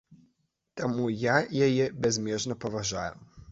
Таму я яе бязмежна паважаю.